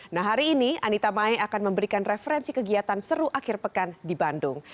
nah hari ini anita mae akan memberikan referensi kegiatan seru akhir pekan di bandung